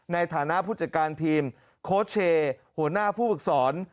ในฐานะผู้จัดการทีมโค้ชเชย์หัวหน้าผู้ฝึกสอน